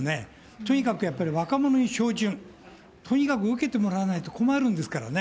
とにかくやっぱり若者に照準、とにかく受けてもらわないと困るんですからね。